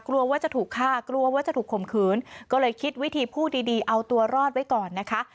กลัวว่าจะถูกฆ่ากลัวว่าจะถูกข่มขืนก็เลยคิดวิธีพูดดีดีเอาตัวรอดไว้ก่อนนะคะ